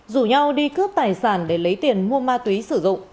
rủ nhau đi cướp tài sản để lấy tiền mua ma túy sử dụng